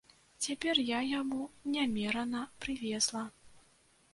Цяпер я яму нямерана прывезла.